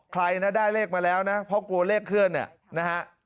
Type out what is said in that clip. ใครนะได้เลขมาแล้วนะเพราะกลัวเลขเคลื่อนเนี่ยนะฮะ